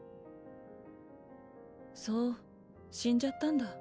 そう死んじゃったんだ。